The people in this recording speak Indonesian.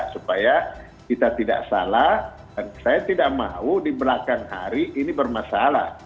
supaya kita tidak salah dan saya tidak mau di belakang hari ini bermasalah